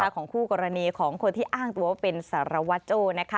ของคู่กรณีของคนที่อ้างตัวว่าเป็นสารวัตรโจ้